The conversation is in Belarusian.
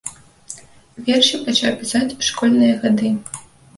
Вершы пачаў пісаць у школьныя гады.